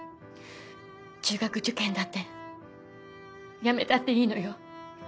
中学受験だってやめたっていいのよ。